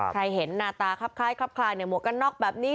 ใครเห็นหน้าตาคล้ายคลับคลายเนี่ยหมวกกันนอกแบบนี้